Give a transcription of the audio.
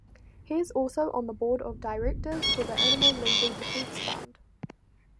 He is also on the Board of Directors for the Animal Legal Defense Fund.